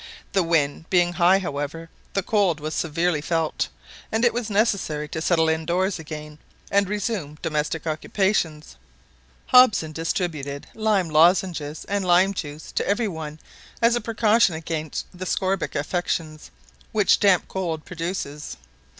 The wind being high, however, the cold was severely felt, and it was necessary to settle in doors again, and resume domestic occupations. Hobson distributed lime lozenges and lime juice to every one as a precaution against the scorbutic affections, which damp cold produces.